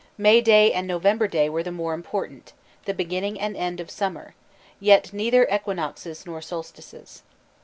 May Day and November Day were the more important, the beginning and end of summer, yet neither equinoxes nor solstices.